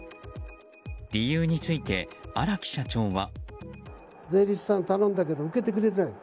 理由について荒木社長は。